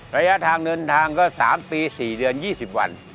ระยะทางเดินทางก็๓ปี๔เดือน๒๐วัน